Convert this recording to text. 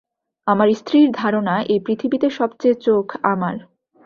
আমার স্ত্রীর ধারণা, এই পৃথিবীতে সবচেয়ে চোখ আমার।